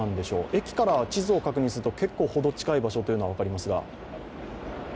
駅から地図を確認するとほど近い場所というのは分かりますが。